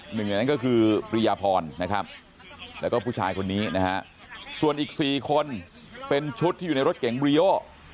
หนึ่งในนั้นก็คือปริยพรนะครับแล้วก็ผู้ชายคนนี้นะฮะส่วนอีก๔คนเป็นชุดที่อยู่ในรถเก๋งบรีโอ